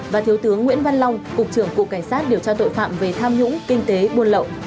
và thiếu tướng nguyễn văn long cục trưởng cục cảnh sát điều tra tội phạm về tham nhũng kinh tế buôn lậu